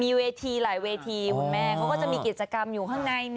มีเวทีหลายเวทีคุณแม่เขาก็จะมีกิจกรรมอยู่ข้างใน